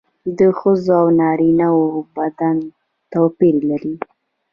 د ښځو او نارینه وو بدن توپیر لري